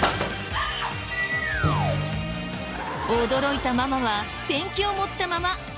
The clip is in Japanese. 驚いたママはペンキを持ったまま真っ逆さま。